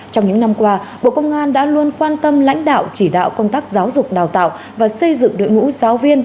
trong những năm qua bộ công an đã luôn quan tâm lãnh đạo chỉ đạo công tác giáo dục đào tạo và xây dựng đội ngũ giáo viên